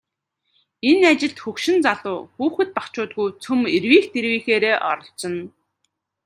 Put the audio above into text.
Энэ ажилд хөгшин залуу, хүүхэд багачуудгүй цөм эрвийх дэрвийхээрээ оролцоно.